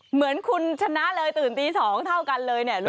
เหมือนคุณชนะเลยตื่นตี๒เท่ากันเลยเนี่ย